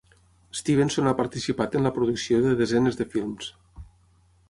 Stevenson ha participat en la producció de desenes de films.